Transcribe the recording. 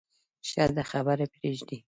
ښه ده خبره پرېږدې.